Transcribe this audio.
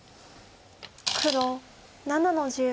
黒７の十。